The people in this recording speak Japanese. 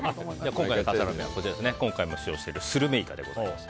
今回の笠原の眼は今回も使用しているスルメイカでございます。